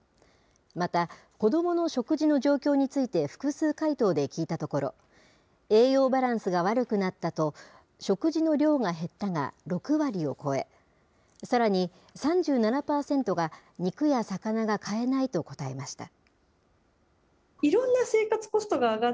また子どもの食事の状況について複数回答で聞いたところ、栄養バランスが悪くなったと、食事の量が減ったが６割を超え、さらに、３７％が肉や魚が買えないと答えました。